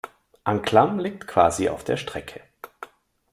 Anklam liegt quasi auf der Strecke.